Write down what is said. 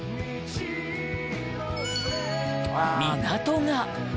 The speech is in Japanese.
港が。